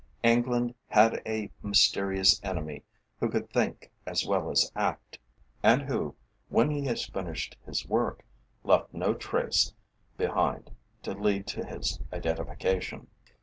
England had a mysterious enemy who could think as well as act, and who, when he has finished his work, left no trace behind to lead to his identification.